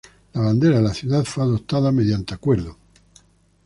La bandera de la ciudad fue adoptada mediante acuerdo No.